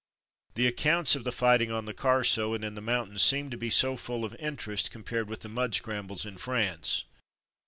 The accounts of the fighting on the Carso and in the mountains seemed to be so full of interest compared with the mud scrambles in France.